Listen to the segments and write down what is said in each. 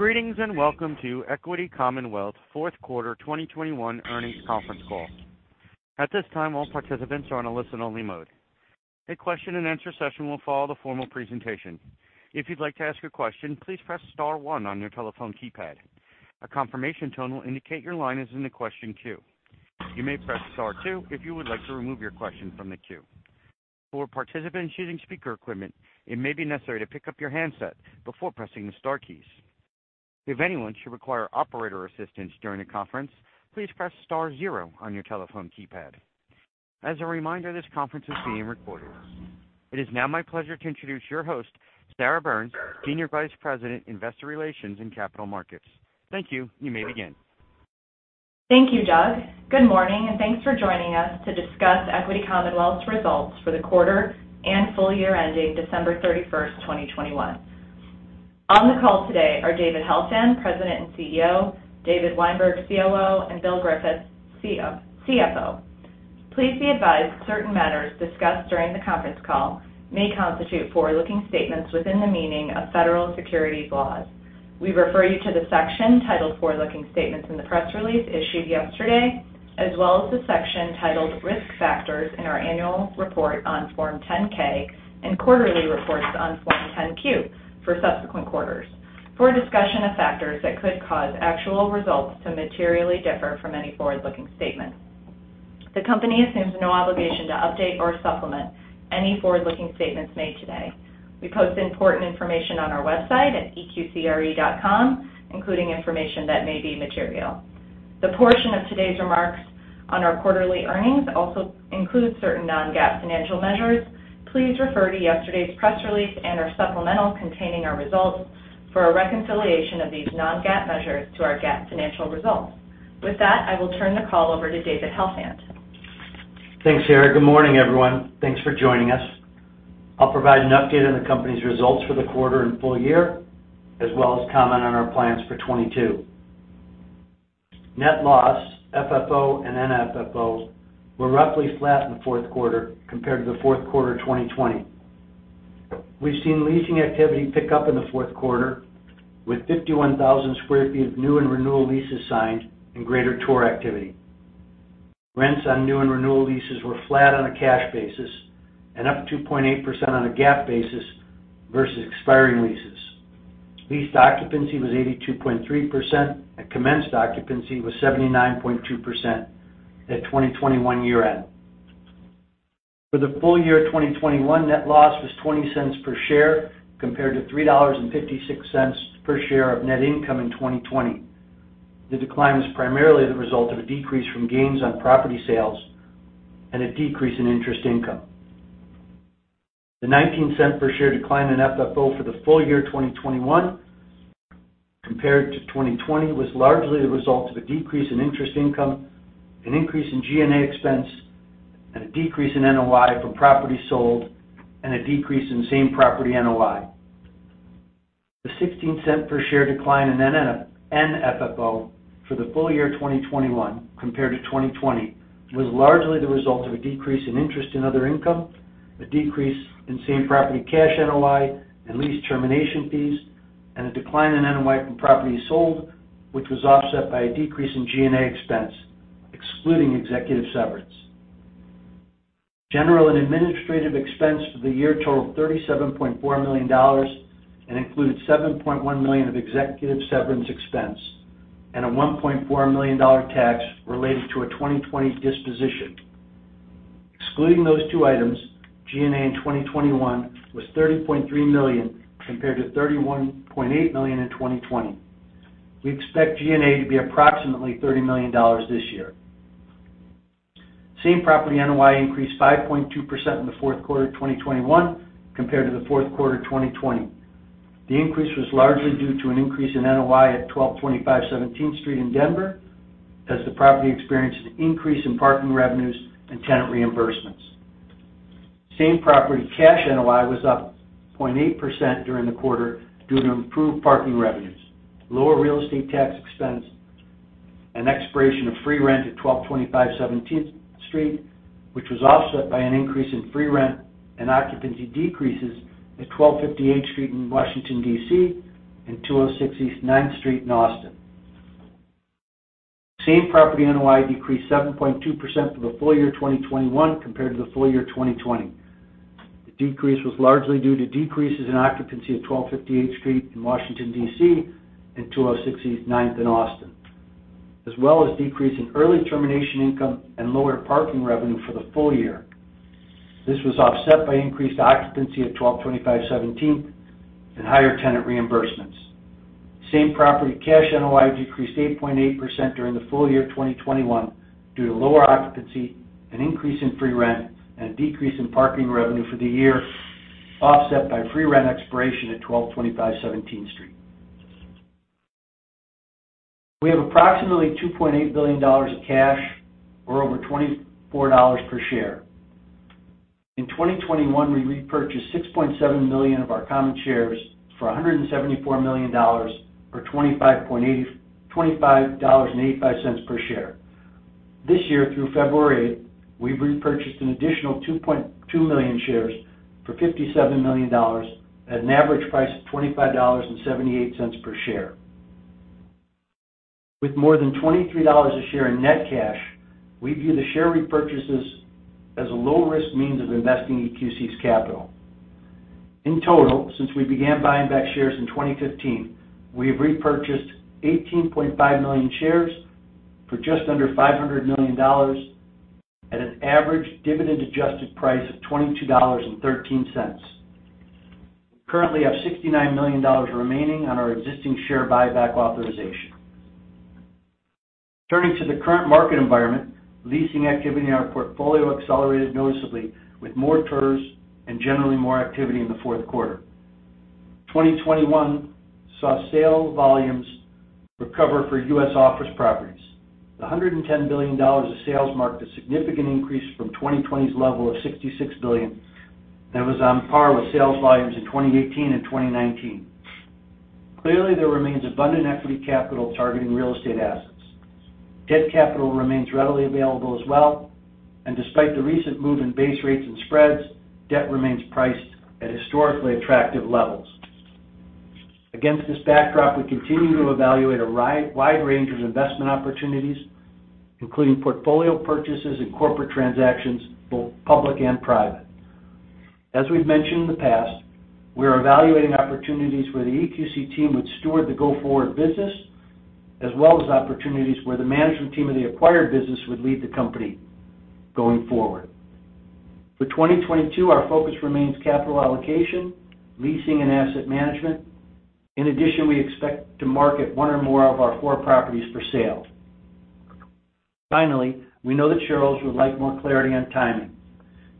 Greetings, and welcome to Equity Commonwealth Q4 2021 earnings conference call. At this time, all participants are on a listen only mode. A question and answer session will follow the formal presentation. If you'd like to ask a question, please press star one on your telephone keypad. A confirmation tone will indicate your line is in the question queue. You may press star two if you would like to remove your question from the queue. For participants using speaker equipment, it may be necessary to pick up your handset before pressing the star keys. If anyone should require operator assistance during the conference, please press star zero on your telephone keypad. As a reminder, this conference is being recorded. It is now my pleasure to introduce your host, Sarah Byrnes, Senior Vice President, Investor Relations and Capital Markets. Thank you. You may begin. Thank you, Doug. Good morning, and thanks for joining us to discuss Equity Commonwealth's results for the quarter and full year ending December 31, 2021. On the call today are David Helfand, President and CEO, David Weinberg, COO, and Bill Griffiths, CFO. Please be advised that certain matters discussed during the conference call may constitute forward-looking statements within the meaning of federal securities laws. We refer you to the section titled Forward Looking Statements in the press release issued yesterday, as well as the section titled Risk Factors in our annual report on Form 10-K and quarterly reports on Form 10-Q for subsequent quarters for a discussion of factors that could cause actual results to materially differ from any forward-looking statements. The company assumes no obligation to update or supplement any forward-looking statements made today. We post important information on our website at eqcre.com, including information that may be material. The portion of today's remarks on our quarterly earnings also includes certain non-GAAP financial measures. Please refer to yesterday's press release and our supplemental containing our results for a reconciliation of these non-GAAP measures to our GAAP financial results. With that, I will turn the call over to David Helfand. Thanks, Sarah. Good morning, everyone. Thanks for joining us. I'll provide an update on the company's results for the quarter and full year, as well as comment on our plans for 2022. Net loss, FFO, and NFFO were roughly flat in the Q4 compared to the Q4 of 2020. We've seen leasing activity pick up in the Q4 with 51,000 sq ft of new and renewal leases signed and greater tour activity. Rents on new and renewal leases were flat on a cash basis and up 2.8% on a GAAP basis versus expiring leases. Leased occupancy was 82.3%, and commenced occupancy was 79.2% at 2021 year-end. For the full year of 2021, net loss was $0.20 per share compared to $3.56 per share of net income in 2020. The decline was primarily the result of a decrease from gains on property sales and a decrease in interest income. The $0.19 per share decline in FFO for the full year 2021 compared to 2020 was largely the result of a decrease in interest income, an increase in G&A expense, and a decrease in NOI for properties sold, and a decrease in same property NOI. The $0.16 per share decline in NFFO for the full year of 2021 compared to 2020 was largely the result of a decrease in interest and other income, a decrease in same property cash NOI and lease termination fees, and a decline in NOI from properties sold, which was offset by a decrease in G&A expense excluding executive severance. General and administrative expense for the year totaled $37.4 million and included $7.1 million of executive severance expense and a $1.4 million tax related to a 2020 disposition. Excluding those two items, G&A in 2021 was $30.3 million compared to $31.8 million in 2020. We expect G&A to be approximately $30 million this year. Same property NOI increased 5.2% in the Q4 of 2021 compared to the Q4 of 2020. The increase was largely due to an increase in NOI at 1225 17th Street in Denver as the property experienced an increase in parking revenues and tenant reimbursements. Same property cash NOI was up 0.8% during the quarter due to improved parking revenues, lower real estate tax expense, an expiration of free rent at 1225 17th Street, which was offset by an increase in free rent and occupancy decreases at 1250 H Street in Washington, D.C., and 206 East 9th Street in Austin. Same property NOI decreased 7.2% for the full year of 2021 compared to the full year of 2020. The decrease was largely due to decreases in occupancy at 1250 H Street in Washington, D.C. and 206 East 9th in Austin, as well as decrease in early termination income and lower parking revenue for the full year. This was offset by increased occupancy at 1225 17th and higher tenant reimbursements. Same property cash NOI decreased 8.8% during the full year of 2021 due to lower occupancy, an increase in free rent, and a decrease in parking revenue for the year, offset by free rent expiration at 1225 17th Street. We have approximately $2.8 billion of cash or over $24 per share. In 2021, we repurchased 6.7 million of our common shares for $174 million or $25.85 per share. This year through February, we've repurchased an additional 2.2 million shares for $57 million at an average price of $25.78 per share. With more than $23 a share in net cash, we view the share repurchases as a low risk means of investing EQC's capital. In total, since we began buying back shares in 2015, we have repurchased 18.5 million shares for just under $500 million at an average dividend adjusted price of $22.13. We currently have $69 million remaining on our existing share buyback authorization. Turning to the current market environment, leasing activity in our portfolio accelerated noticeably with more tours and generally more activity in the Q4. 2021 saw sales volumes recover for U.S. office properties. $110 billion of sales marked a significant increase from 2020's level of $66 billion. That was on par with sales volumes in 2018 and 2019. Clearly, there remains abundant equity capital targeting real estate assets. Debt capital remains readily available as well, and despite the recent move in base rates and spreads, debt remains priced at historically attractive levels. Against this backdrop, we continue to evaluate a wide range of investment opportunities, including portfolio purchases and corporate transactions, both public and private. As we've mentioned in the past, we are evaluating opportunities where the EQC team would steward the go-forward business, as well as opportunities where the management team of the acquired business would lead the company going forward. For 2022, our focus remains capital allocation, leasing, and asset management. In addition, we expect to market one or more of our four properties for sale. Finally, we know that shareholders would like more clarity on timing.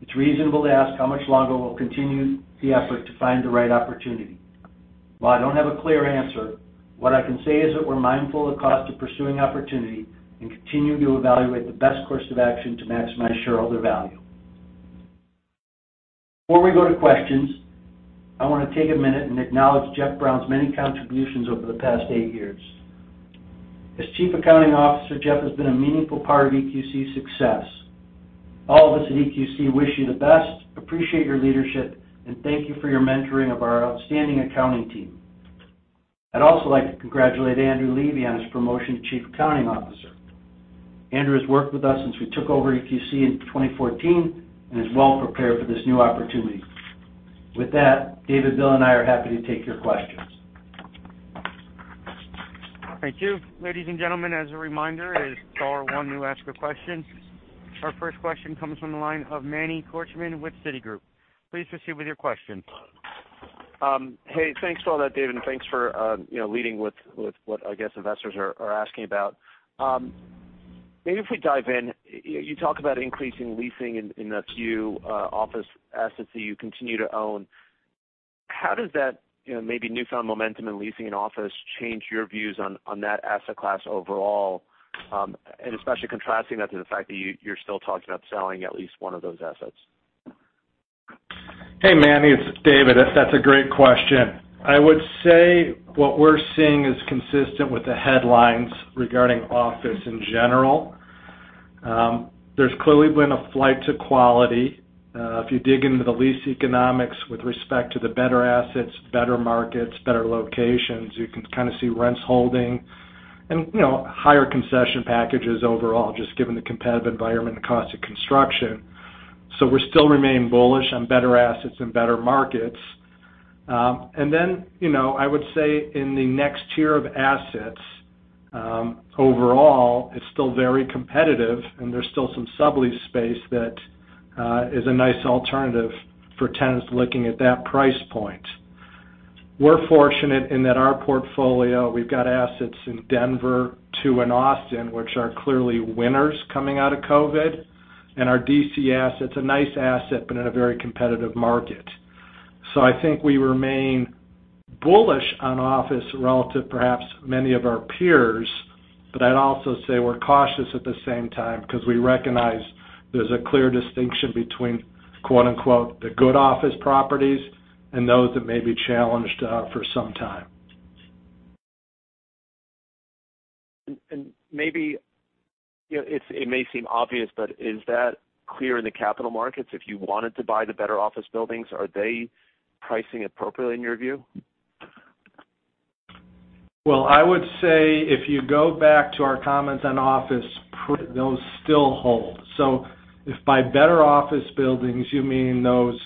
It's reasonable to ask how much longer we'll continue the effort to find the right opportunity. While I don't have a clear answer, what I can say is that we're mindful of cost of pursuing opportunity and continue to evaluate the best course of action to maximize shareholder value. Before we go to questions, I wanna take a minute and acknowledge Jeff Brown's many contributions over the past eight years. As Chief Accounting Officer, Jeff has been a meaningful part of EQC's success. All of us at EQC wish you the best, appreciate your leadership, and thank you for your mentoring of our outstanding accounting team. I'd also like to congratulate Andrew Levy on his promotion to Chief Accounting Officer. Andrew has worked with us since we took over EQC in 2014 and is well prepared for this new opportunity. With that, David, Bill, and I are happy to take your questions. Thank you. Ladies and gentlemen, as a reminder, it is star one to ask a question. Our first question comes from the line of Manny Korchman with Citigroup. Please proceed with your question. Hey, thanks for all that, David, and thanks for, you know, leading with what I guess investors are asking about. Maybe if we dive in, you talk about increasing leasing in the few office assets that you continue to own. How does that, you know, maybe newfound momentum in leasing and office change your views on that asset class overall, and especially contrasting that to the fact that you're still talking about selling at least one of those assets? Hey, Manny, it's David. That's a great question. I would say what we're seeing is consistent with the headlines regarding office in general. There's clearly been a flight to quality. If you dig into the lease economics with respect to the better assets, better markets, better locations, you can kind of see rents holding and, you know, higher concession packages overall, just given the competitive environment and cost of construction. We still remain bullish on better assets and better markets. You know, I would say in the next tier of assets, overall, it's still very competitive, and there's still some sublease space that is a nice alternative for tenants looking at that price point. We're fortunate in that our portfolio, we've got assets in Denver, two in Austin, which are clearly winners coming out of COVID, and our D.C. asset's a nice asset, but in a very competitive market. I think we remain bullish on office relative, perhaps many of our peers, but I'd also say we're cautious at the same time 'cause we recognize there's a clear distinction between, quote-unquote, "the good office properties" and those that may be challenged, for some time. Maybe, you know, it may seem obvious, but is that clear in the capital markets? If you wanted to buy the better office buildings, are they pricing appropriately in your view? Well, I would say if you go back to our comments on office pre, those still hold. So if by better office buildings, you mean those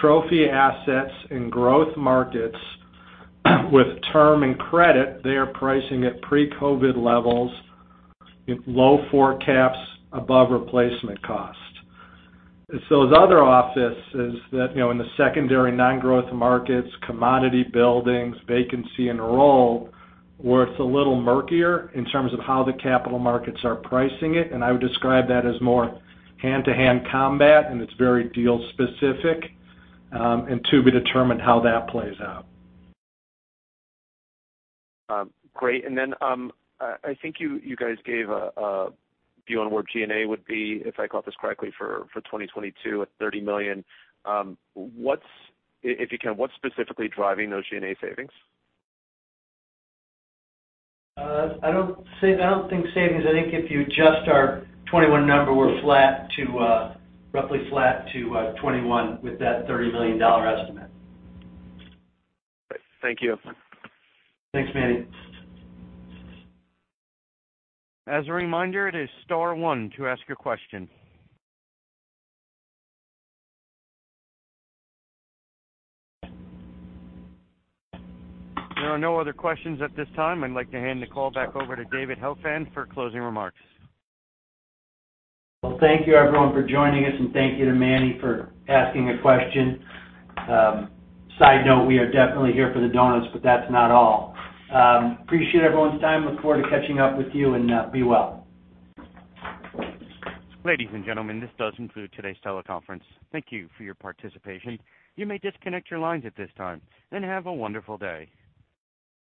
trophy assets in growth markets with term and credit, they are pricing at pre-COVID levels in low four caps above replacement cost. It's those other offices that, you know, in the secondary non-growth markets, commodity buildings, vacancy and roll, where it's a little murkier in terms of how the capital markets are pricing it, and I would describe that as more hand-to-hand combat, and it's very deal specific, and to be determined how that plays out. Great. I think you guys gave a view on where G&A would be, if I caught this correctly, for 2022 at $30 million. If you can, what's specifically driving those G&A savings? I don't think savings. I think if you adjust our 21 number, we're roughly flat to 21 with that $30 million estimate. Great. Thank you. Thanks, Manny. As a reminder, it is star one to ask a question. There are no other questions at this time. I'd like to hand the call back over to David Helfand for closing remarks. Well, thank you, everyone, for joining us, and thank you to Manny for asking a question. Side note, we are definitely here for the donuts, but that's not all. Appreciate everyone's time. Look forward to catching up with you, and be well. Ladies and gentlemen, this does conclude today's teleconference. Thank you for your participation. You may disconnect your lines at this time, and have a wonderful day.